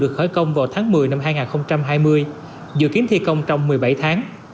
được khởi công vào tháng một mươi năm hai nghìn hai mươi dự kiến thi công trong một mươi bảy tháng